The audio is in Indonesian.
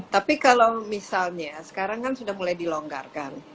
tapi kalau misalnya sekarang kan sudah mulai dilonggarkan